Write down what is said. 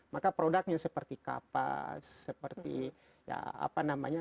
maka produknya seperti kapas seperti apa namanya